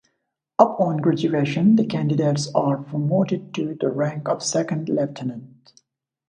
Upon graduation the candidates are promoted to the rank of second lieutenant.